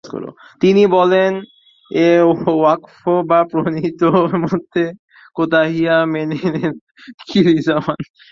তিনি বলেন, এ ওয়াক্ফ বা প্রণীত মধ্যে কোতাহিয়া, মেনেমেন এবং কিলিজামান।